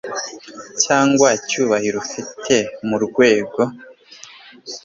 cyangwa icyubahiro ufite mu rwego